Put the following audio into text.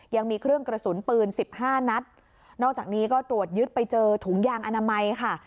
ยังมีเครื่องกระสุนปืนสิบห้านัดนอกจากนี้ก็ตรวจยึดไปเจอถุงยางอนามัยค่ะ